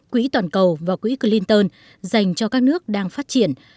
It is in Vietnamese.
quỹ toàn cầu và quỹ clinton dành cho các nước đang phát triển